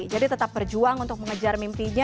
jadi tetap berjuang untuk mengejar mimpinya